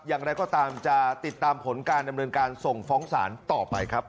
อย่างไรก็ตามจะติดตามผลการดำเนินการส่งฟ้องศาลต่อไปครับ